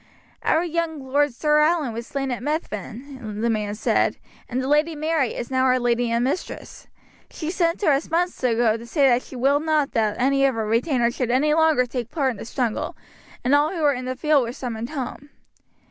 "Our young lord Sir Allan was slain at Methven," the man said, "and the lady Mary is now our lady and mistress. She sent to us months ago to say that she willed not that any of her retainers should any longer take part in the struggle, and all who were in the field were summoned home.